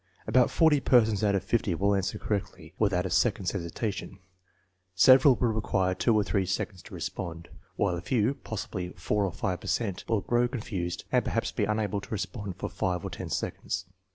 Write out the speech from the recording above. " About forty persons out of fifty will answer correctly without a second's hesitation, several will require two or three seconds to respond, while a few, possibly four or five per cent, will grow confused and perhaps be unable to respond for five or ten seconds.